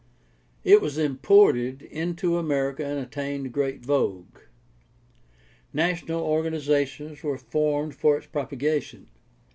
It was imported, into America and attained great vogue. National organizations were formed for its propagation.